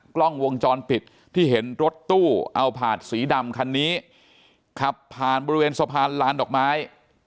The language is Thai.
กล้องวงจรปิดที่เห็นรถตู้เอาผาดสีดำคันนี้ขับผ่านบริเวณสะพานลานดอกไม้